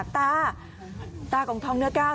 ตาตาของทองเนื้อก้าว